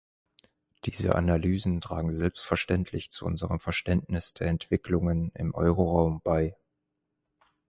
Diese Analysen tragen selbstverständlich zu unserem Verständnis der Entwicklungen im Euroraum bei.